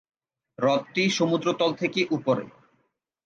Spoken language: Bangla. হ্রদটি সমুদ্রতল থেকে উপরে।